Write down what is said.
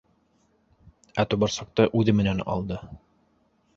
Ә тубырсыҡты үҙе менән алды.